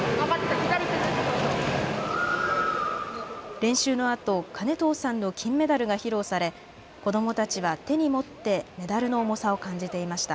練習のあと金藤さんの金メダルが披露され、子どもたちは手に持ってメダルの重さを感じていました。